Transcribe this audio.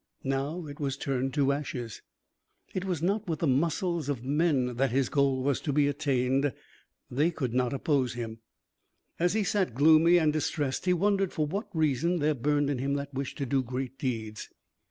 Now it was turned to ashes. It was not with the muscles of men that his goal was to be attained. They could not oppose him. As he sat gloomy and distressed, he wondered for what reason there burned in him that wish to do great deeds.